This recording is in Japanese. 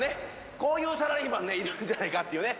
こういうサラリーマンねいるんじゃないかっていうね